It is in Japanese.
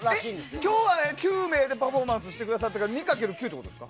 今日は９名でパフォーマンスしてもらったから２かける９ってことですか。